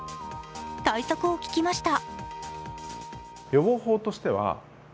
対策を聞きました。